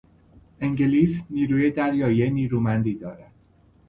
انگلیس نیروی دریایی نیرومندی دارد.